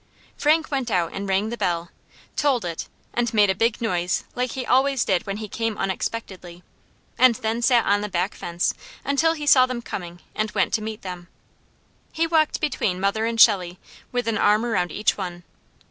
Frank went out and rang the bell, tolled it, and made a big noise like he always did when he came unexpectedly, and then sat on the back fence until he saw them coming, and went to meet them. He walked between mother and Shelley, with an arm around each one.